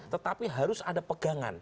tetapi harus ada pegangan